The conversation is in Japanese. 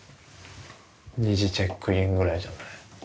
２時チェックインぐらいじゃない？